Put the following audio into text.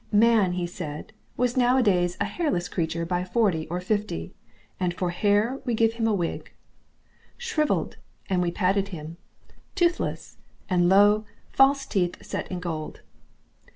Man, he said, was nowadays a hairless creature by forty or fifty, and for hair we gave him a wig; shrivelled, and we padded him; toothless, and lo! false teeth set in gold.